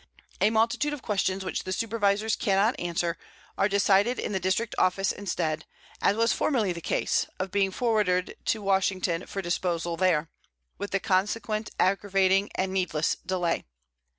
A multitude of questions which the Supervisors can not answer are decided in the District office instead, as was formerly the case, of being forwarded to Washington for disposal there, with the consequent aggravating and needless delay.